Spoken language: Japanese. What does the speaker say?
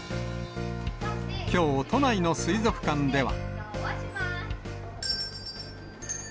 きょう、都内の水族館では。